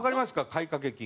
買掛金。